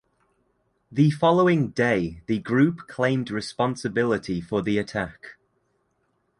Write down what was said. The following day the group claimed responsibility for the attack.